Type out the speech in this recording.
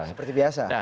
memantah seperti biasa